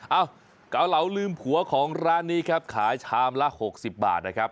เอ้าเกาเหลาลืมผัวของร้านนี้ครับขายชามละ๖๐บาทนะครับ